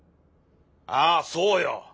ああそうよ。